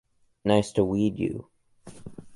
Nice to "weed" you!